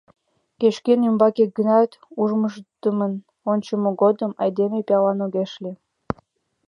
Кеч-кӧн ӱмбаке гынат ужмышудымын ончымо годым айдеме пиалан огеш лий.